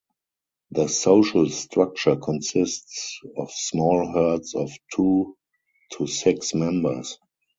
The social structure consists of small herds of two to six members.